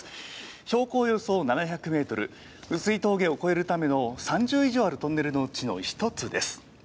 標高およそ７００メートル、碓氷峠を越えるための３０以上あるトンネルのうちの１つです。